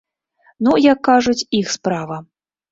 Ну, як кажуць, іх справа.